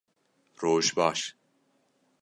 Roj baş!